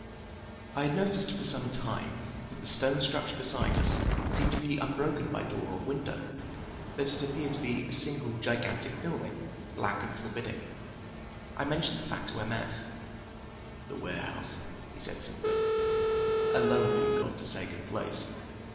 I had noticed for some time that the stone structure beside us seemed to be unbroken by door or window—that it appeared to be a single gigantic building, black and forbidding. I mentioned the fact to M. S. "The warehouse," he said simply. "A lonely, God forsaken place.